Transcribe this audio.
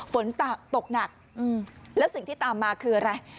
ฝนตกหนักแล้วสิ่งที่ตามมาคืออะไร